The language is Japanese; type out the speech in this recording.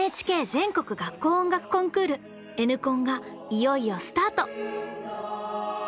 ＮＨＫ全国学校音楽コンクール「Ｎコン」がいよいよスタート！